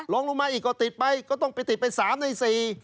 ลงมาอีกก็ติดไปก็ต้องไปติดไป๓ใน๔